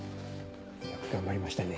よく頑張りましたね。